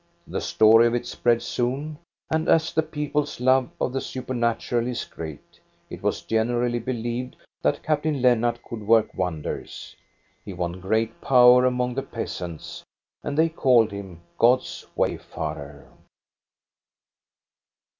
The story of it spread soon, and as the people's love of the supernatural is great, it was generally believed that Captain Lennart could work wonders. He won great power among the peasants, and they called him God's wayfarer.